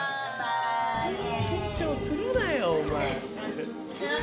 緊張するなよお前。